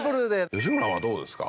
吉村はどうですか？